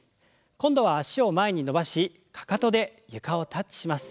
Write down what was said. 今度は脚を前に伸ばしかかとで床をタッチします。